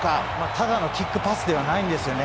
ただのキックパスではないんですよね。